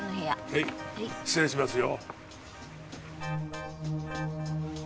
はい失礼しますよ。